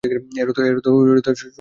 এর অর্থ সংক্ষেপ্ত।